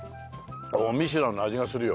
おおミシュランの味がするよ。